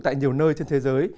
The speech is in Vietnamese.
tại nhiều nơi trên thế giới